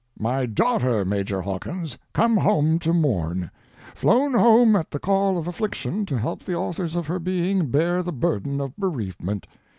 "My daughter, Major Hawkins—come home to mourn; flown home at the call of affliction to help the authors of her being bear the burden of bereavement.